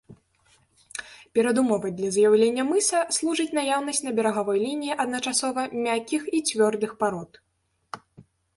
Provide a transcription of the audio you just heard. Перадумовай для з'яўлення мыса служыць наяўнасць на берагавой лініі адначасова мяккіх і цвёрдых парод.